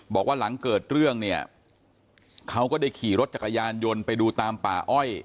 บอกว่าหลังเกิดเรื่องเนี่ยเขาก็ได้ขี่รถจักรยานยนต์ไปดูตามป่าอ้อย